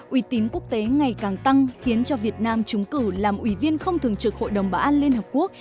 uy tín quốc tế ngày càng tăng khiến cho việt nam trúng cử làm ủy viên không thường trực hội đồng bảo an liên hợp quốc